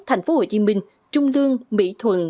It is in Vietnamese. thành phố hồ chí minh trung lương mỹ thuận